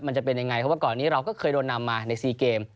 มันจะเป็นยังไงเพราะว่าก่อนนี้เราก็เคยโดนนำมาใน๔เกม